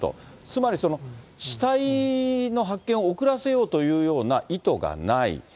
つまり死体の発見を遅らせようというような意図がない。